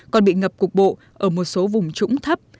còn bị ngập cục bộ ở một số vùng trũng thấp